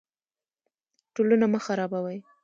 ټولنه مه خرابوئ